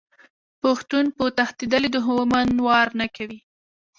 پښتون په تښتیدلي دښمن وار نه کوي.